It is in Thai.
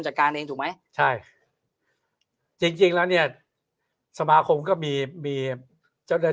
จัดการเองถูกไหมใช่จริงแล้วเนี่ยสมาคมก็มีมีจะได้